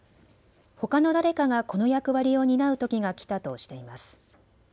ほかの誰かがこの役割を担うときが来たとしています。